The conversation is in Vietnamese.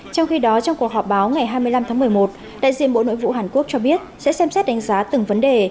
trong khi đó trong cuộc họp báo ngày hai mươi năm tháng một mươi một đại diện bộ nội vụ hàn quốc cho biết sẽ xem xét đánh giá từng vấn đề